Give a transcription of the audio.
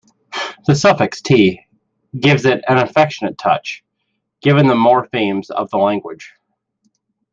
The suffix "-t" gives it an affectionate touch, given the morphemes of the language.